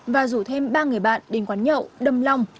và rủ thêm ba người bạn đến quán nhậu đâm long